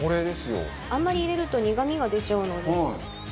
あんまり入れると苦みが出ちゃうので。